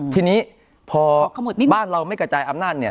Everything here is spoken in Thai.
ทีนี้พอบ้านเราไม่กระจายอำนาจเนี่ย